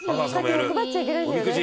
欲張っちゃいけないんだよね。